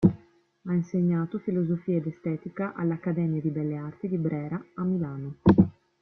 Ha insegnato Filosofia ed Estetica all'Accademia di Belle Arti di Brera a Milano.